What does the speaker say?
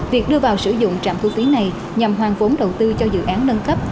việc đưa vào sử dụng trạm thu phí này nhằm hoàn vốn đầu tư cho dự án nâng cấp